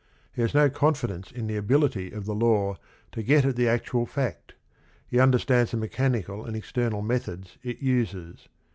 He has no confi dence in the ab ffity~of the law to get at the actual fact; he understands the mechanical and external methods it uses.